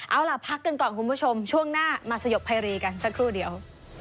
เอาล่ะพักกันก่อนคุณผู้ชมช่วงหน้ามาสยบไพรีกันสักครู่เดียว